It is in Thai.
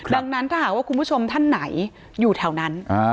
ดังนั้นถ้าหากว่าคุณผู้ชมท่านไหนอยู่แถวนั้น